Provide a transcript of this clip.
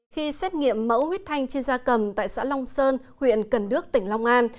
khi xét nghiệm mẫu huyết thanh trên da cầm tại xã long sơn huyện cần đước tỉnh long an